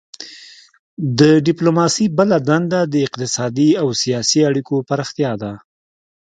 د ډیپلوماسي بله دنده د اقتصادي او سیاسي اړیکو پراختیا ده